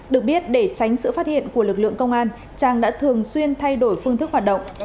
được biết để tránh sự phát hiện của lực lượng công an trang đã thường xuyên thay đổi phương thức hoạt động